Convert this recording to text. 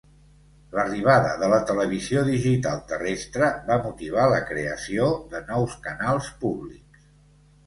L'arribada de la televisió digital terrestre va motivar la creació de nous canals públics.